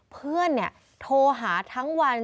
เพื่อนโทรหาทั้งวัน